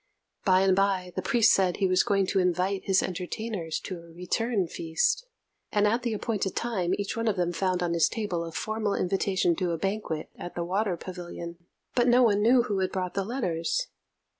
By and by the priest said he was going to invite his entertainers to a return feast; and at the appointed time each one of them found on his table a formal invitation to a banquet at the Water Pavilion, but no one knew who had brought the letters.